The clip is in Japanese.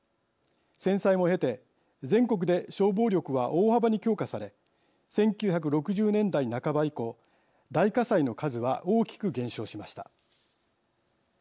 戦災も経て全国で消防力は大幅に強化され１９６０年代半ば以降大火災の数は大きく減少しました。